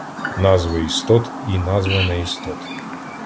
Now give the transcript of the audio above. Назви істот і назви неістот